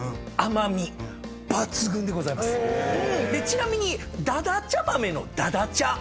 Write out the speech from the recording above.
ちなみにだだちゃ豆の「だだちゃ」